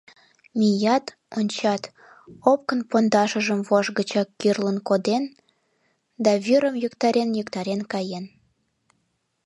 Мият, ончат: Опкын пондашыжым вож гычак кӱрлын коден да вӱрым йоктарен-йоктарен каен.